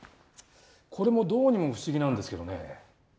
これもどうにも不思議なんですけどね